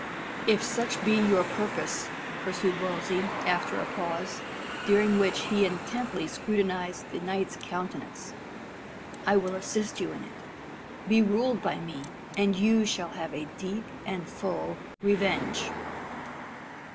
"If such be your purpose," pursued Wolsey, after a pause, during which he intently scrutinised the knight's countenance, "I will assist you in it. Be ruled by me, and you shall have a deep and full revenge."